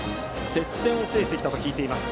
接戦を制してきたと聞いています。